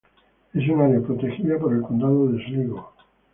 Es un área protegida por el condado de Sligo.